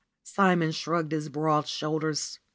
Simon shrugged his broad shoulders.